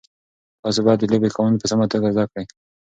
تاسي باید د لوبې قوانین په سمه توګه زده کړئ.